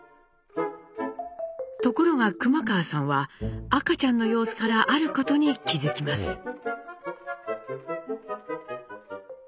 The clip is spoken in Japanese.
ところが熊川さんは赤ちゃんの様子からあることに気付きます。